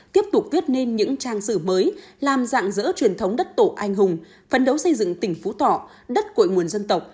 tiếp tục viết nên những trang sử mới làm dạng dỡ truyền thống đất tổ anh hùng phấn đấu xây dựng tỉnh phú thọ đất cội nguồn dân tộc